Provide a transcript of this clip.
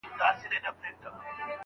د شګوفو تر ونو لاندي دمه سوم.